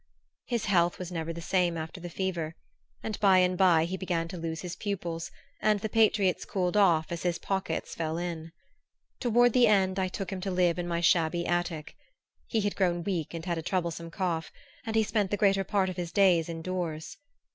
His health was never the same after the fever; and by and by he began to lose his pupils, and the patriots cooled off as his pockets fell in. Toward the end I took him to live in my shabby attic. He had grown weak and had a troublesome cough, and he spent the greater part of his days indoors.